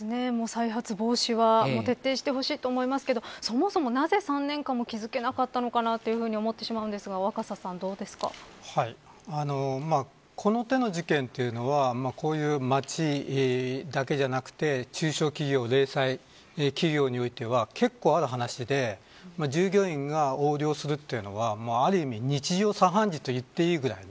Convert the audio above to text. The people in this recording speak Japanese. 再発防止は徹底してほしいと思いますがそもそも、なぜ３年間も気付なかったのかなというふうに思ってしまうんですがこの手の事件というのはこういう町だけじゃなくて中小企業でさえ中小企業においては結構ある話で従業員が横領するというのはある意味日常茶飯事と言っていいぐらい。